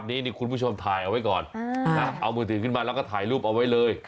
นี่คุณผู้ชมถ่ายเอาไว้ก่อนเอามือถือขึ้นมาแล้วก็ถ่ายรูปเอาไว้เลย